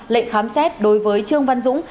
lệnh khám xét đối với trương văn dũng